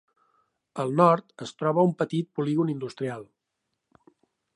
Al nord es troba un petit polígon industrial.